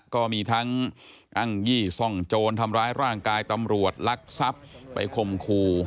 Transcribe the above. ก็มีทั้งอ้างยี่ซ่องโจรทำร้ายร่างกายตำรวจลักทรัพย์ไปคมคู่